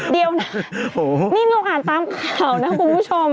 เดี๋ยวนะนี่เราอ่านตามข่าวนะคุณผู้ชม